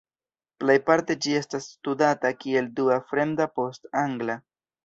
Plejparte ĝi estas studata kiel dua fremda post angla.